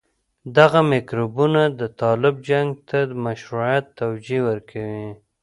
دغه میکروبونه د طالب جنګ ته د مشروعيت توجيه ورکوي.